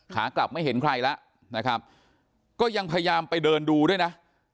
ขากลับไม่เห็นใครแล้วนะครับก็ยังพยายามไปเดินดูด้วยนะ